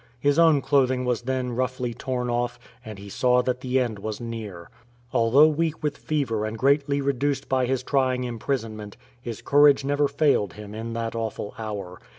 His own clothing was then roughly torn off; and he saw that the end was near. Although weak with fever and greatly reduced by his trying imprisonment, his courage never failed him in that awful hour.